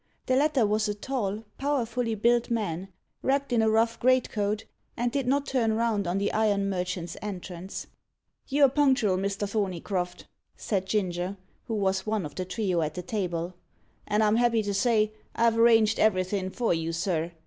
The latter was a tall, powerfully built man, wrapped in a rough greatcoat, and did not turn round on the iron merchant's entrance. "You are punctual, Mr. Thorneycroft," said Ginger, who was one of the trio at the table; "and I'm happy to say, I've arranged everythin' for you, sir.